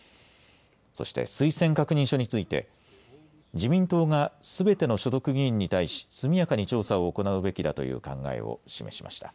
そして推薦確認書について自民党がすべての所属議員に対し速やかに調査を行うべきだという考えを示しました。